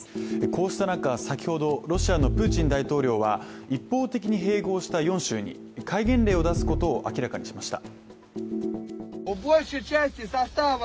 こうした中、先ほど、ロシアのプーチン大統領は一方的に併合した４州に、戒厳令を出すことを明らかにしました。